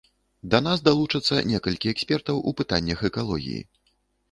Да нас далучацца некалькі экспертаў у пытаннях экалогіі.